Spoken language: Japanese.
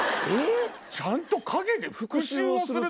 「ちゃんと陰で復讐をするタイプ」。